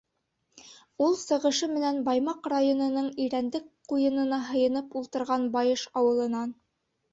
Ул сығышы менән Баймаҡ районының Ирәндек ҡуйынына һыйынып ултырған Байыш ауылынан.